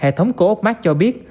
hệ thống của úc mát cho biết